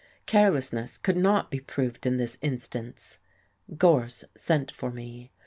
Carelessness could not be proved in this instance. Gorse sent for me.